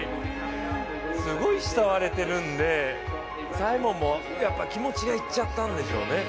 すごい慕われてるんでサイモンも気持ちがいっちゃったんでしょうね。